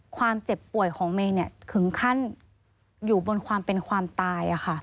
ความเจ็บป่วยของเมย์ถึงขั้นอยู่บนความเป็นความตาย